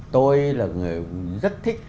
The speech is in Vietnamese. tôi là người rất thích